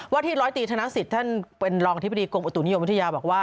ที่ร้อยตีธนสิทธิ์ท่านเป็นรองอธิบดีกรมอุตุนิยมวิทยาบอกว่า